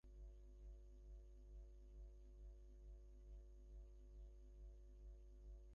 আমার স্ত্রীর ধারণা, এই মেয়ে পিশাচ ধরনের।